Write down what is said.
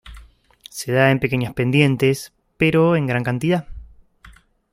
Se da en pequeñas pendientes, pero en gran cantidad.